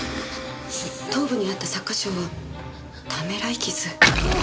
頭部にあった擦過傷はためらい傷。